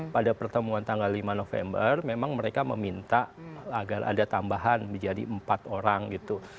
pada pertemuan tanggal lima november memang mereka meminta agar ada tambahan menjadi empat orang gitu